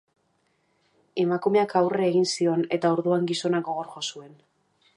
Emakumeak aurre egin zion eta orduan gizonak gogor jo zuen.